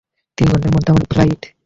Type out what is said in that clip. তিন ঘন্টার মধ্যে আমার ফ্লাইট।